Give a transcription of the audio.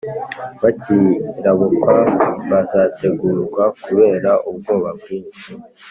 Bakiyirabukwa bazatengurwa kubera ubwoba bwinshi,